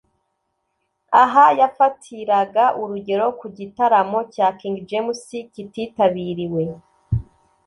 Aha yafatiraga urugero ku gitaramo cya King James kititabiriwe